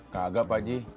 kagak pak ji